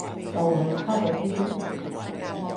就係差左啲啲